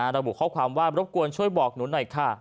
ระบุข้อความว่ารบกวนช่วยบอกหนูหน่อยค่ะ